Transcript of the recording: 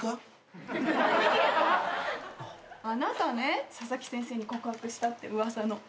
あなたね佐々木先生に告白したって噂の。